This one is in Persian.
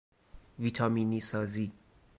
ویتامینی سازی